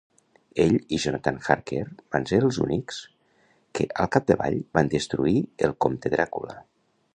Ell i Jonathan Harker van ser els únics que al capdavall van destruir el Comte Dràcula.